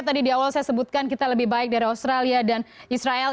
tadi di awal saya sebutkan kita lebih baik dari australia dan israel